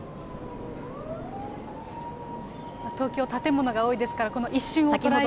東京、建物が多いですから、この一瞬を捉えようと。